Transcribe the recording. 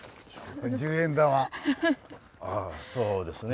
ああそうですね。